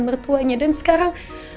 mertuanya dan sekarang